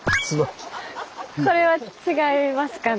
これは違いますかね。